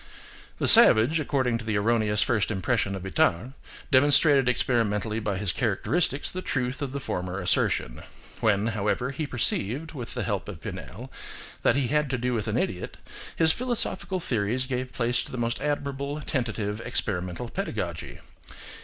The savage, according to the erroneous first impression of Itard, demonstrated experimentally by his characteristics the truth of the former assertion. When, however, he perceived, with the help of Pinel, that he had to do with an idiot, his philosophical theories gave place to the most admirable, tentative, experimental pedagogy.